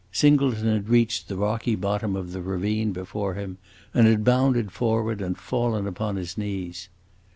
Singleton had reached the rocky bottom of the ravine before him, and had bounded forward and fallen upon his knees.